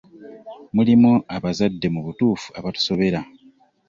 Mulimu abazadde mu butuufu abatusobera.